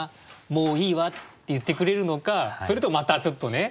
「もういいわ」って言ってくれるのかそれともまたちょっとね